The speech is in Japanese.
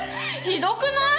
ひどくない？